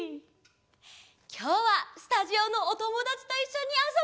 きょうはスタジオのおともだちといっしょにあそぶよ！